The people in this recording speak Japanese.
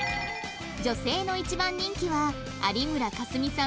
女性の一番人気は有村架純さん